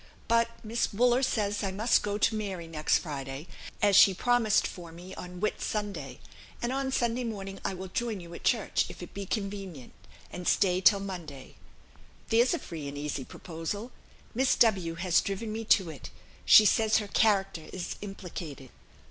But Miss Wooler says I must go to Mary next Friday, as she promised for me on Whit Sunday; and on Sunday morning I will join you at church, if it be convenient, and stay till Monday. There's a free and easy proposal! Miss W has driven me to it. She says her character is implicated."